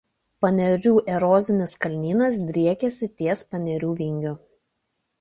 Panerių erozinis kalvynas driekiasi ties Panerių vingiu.